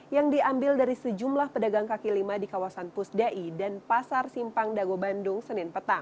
yang diambil dari sejumlah pedagang kaki lima di kawasan pusdai dan pasar simpang dago bandung senin petang